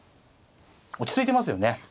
落ち着いてますよね。